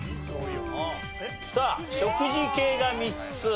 さあ食事系が３つ。